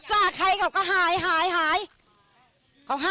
พ่อแม่พี่น้องก็เต็มใจให้ล้วง